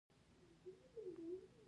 د لمر ګل مخ لمر ته وي